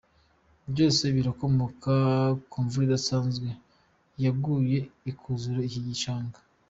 Byose birakomoka ku mvura idasanzwe yaguye ikuzura iki gishanga.